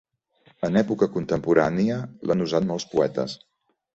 En època contemporània l'han usat molts poetes.